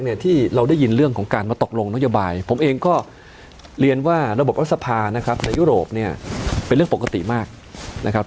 ในยุโรปเนี่ยเป็นเรื่องปกติมากนะครับ